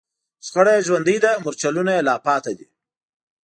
شخړه یې ژوندۍ ده، مورچلونه یې لا پاتې دي